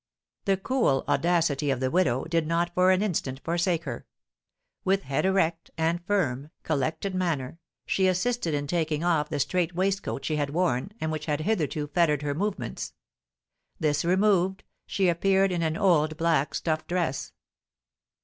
The cool audacity of the widow did not for an instant forsake her; with head erect, and firm, collected manner, she assisted in taking off the strait waistcoat she had worn, and which had hitherto fettered her movements; this removed, she appeared in an old black stuff dress.